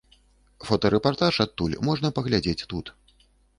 Фотарэпартаж адтуль можна паглядзець тут.